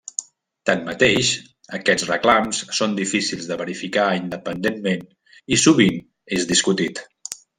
Tanmateix, aquests reclams són difícils de verificar independentment i sovint és discutit.